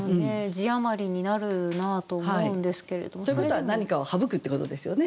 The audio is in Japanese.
字余りになるなと思うんですけれども。ということは何かを省くってことですよね。